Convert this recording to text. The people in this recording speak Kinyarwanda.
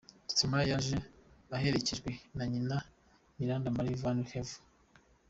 Stromae yaje aherekejwe na nyina Miranda Marie Van Haver.